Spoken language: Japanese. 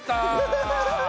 ハハハハ！